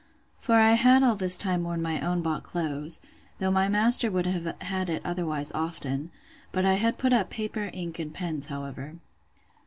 For I had all this time worn my own bought clothes, though my master would have had it otherwise often: but I had put up paper, ink, and pens, however.